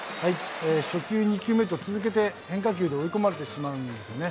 初球、２球目と続けて、変化球で追い込まれてしまうんですよね。